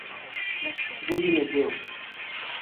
بڈھی نے کہیو